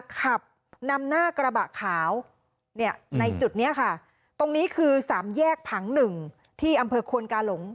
ขับนำหน้ากระบะขาวเนี่ยในจุดนี้ค่ะตรงนี้คือสามแยกผังหนึ่งที่อำเภอควนกาหลง